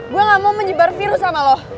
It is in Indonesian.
gue gak mau menyebar virus sama lo